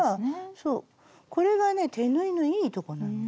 そうこれがね手縫いのいいとこなの。